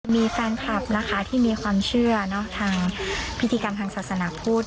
มีแฟนคลับนะคะที่มีความเชื่อทางพิธีกรรมทางศาสนาพูด